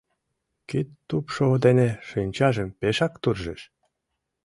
Кидтупшо дене шинчажым пешак туржеш.